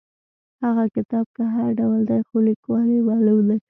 هغه کتاب که هر ډول دی خو لیکوال یې معلوم دی.